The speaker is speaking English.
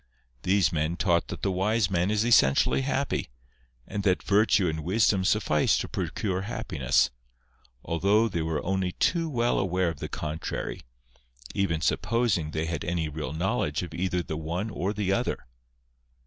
These men taught that the wise man is essentially happy, and that virtue and wisdom suffice to procure happiness ; although they were only too well aware of the contrary, even supposing they had any real know ledge of either the one or the other.